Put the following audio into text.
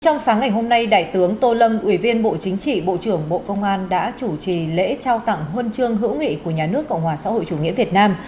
trong sáng ngày hôm nay đại tướng tô lâm ủy viên bộ chính trị bộ trưởng bộ công an đã chủ trì lễ trao tặng huân chương hữu nghị của nhà nước cộng hòa xã hội chủ nghĩa việt nam